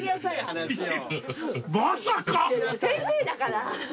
先生だから。